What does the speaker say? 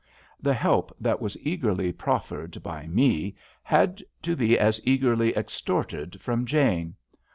8^ JANE AND ME The help that was eagerly proffered by Me had to be as eagerly extorted from Jane.